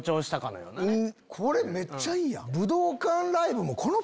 これめっちゃいいやん！